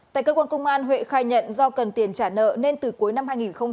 tại cơ quan công an huệ khai nhận do cần tiền trả nợ nên từ cuối năm hai nghìn một mươi chín